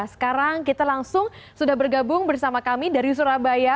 sekarang kita langsung sudah bergabung bersama kami dari surabaya